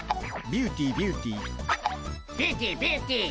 ビューティービューティー。